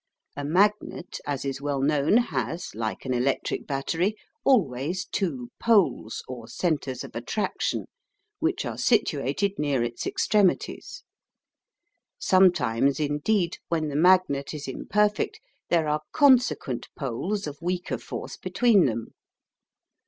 A magnet, as is well known, has, like an electric battery, always two poles or centres of attraction, which are situated near its extremities. Sometimes, indeed, when the magnet is imperfect, there are "consequent poles" of weaker force between them.